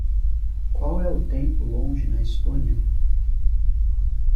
Qual é o tempo longe na Estónia?